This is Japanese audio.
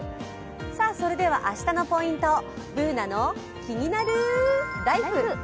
それでは明日のポイント、「ＢｏｏｎａのキニナルＬＩＦＥ」。